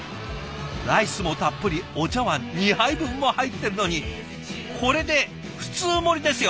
ライスもたっぷりお茶わん２杯分も入ってるのにこれで普通盛りですよ？